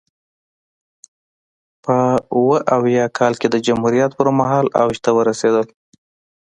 په ویا اویا کال کې د جمهوریت پرمهال اوج ته ورسېدل.